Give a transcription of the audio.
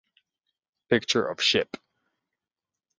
Picture of ship.